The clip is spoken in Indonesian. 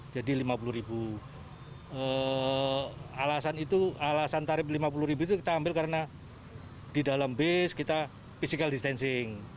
jadi lima puluh alasan itu alasan tarif lima puluh kita ambil karena di dalam base kita physical distancing